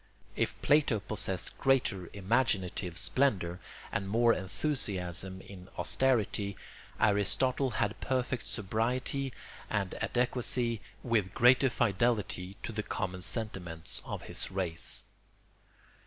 If Plato possessed greater imaginative splendour and more enthusiasm in austerity, Aristotle had perfect sobriety and adequacy, with greater fidelity to the common sentiments of his race.